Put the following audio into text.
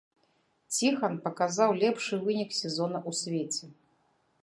Ціхан паказаў лепшы вынік сезона ў свеце.